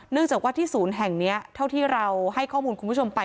จากว่าที่ศูนย์แห่งนี้เท่าที่เราให้ข้อมูลคุณผู้ชมไป